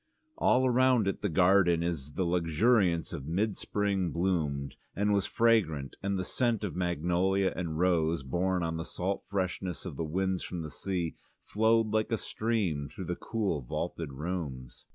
All round it the garden in the luxuriance of mid spring bloomed and was fragrant, and the scent of magnolia and rose, borne on the salt freshness of the winds from the sea, flowed like a stream through the cool vaulted rooms.